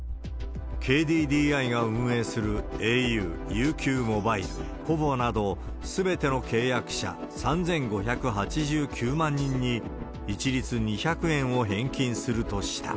ＫＤＤＩが運営するａｕ、ＵＱモバイル、ｐｏｖｏなど、すべての契約者３５８９万人に一律２００円を返金するとした。